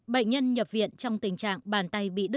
bệnh nhân nhập viện trong tình trạng bàn tay bị đứt lìa